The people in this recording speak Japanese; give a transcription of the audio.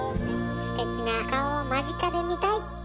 ステキな顔を間近で見たい！